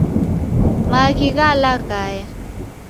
Maghi ghalaghaya